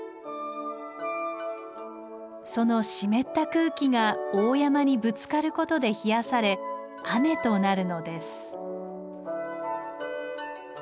その湿った空気が大山にぶつかることで冷やされ雨となるのです。